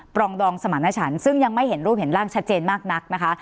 รองดองสมรรถฉันซึ่งยังไม่เห็นรูปเห็นร่างชัดเจนมากนักนะคะ